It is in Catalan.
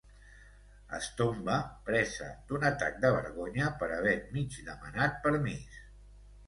Es tomba, presa d'un atac de vergonya per haver mig demanat permís.